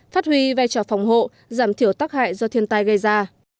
phát huy vai trò phòng hộ giảm thiểu tắc hại do thiên tai gây ra